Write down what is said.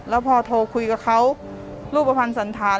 แล้วพอโทรคุยกับเขารูปภัณฑ์สันธาร